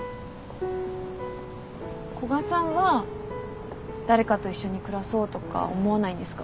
古賀さんは誰かと一緒に暮らそうとか思わないんですか？